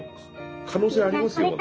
可能性ありますよまだ。